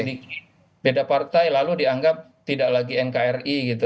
ini beda partai lalu dianggap tidak lagi nkri gitu